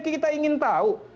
kita ingin tahu